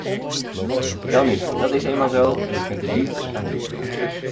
Welnu, dat is eenmaal zo en je kunt er niets aan doen.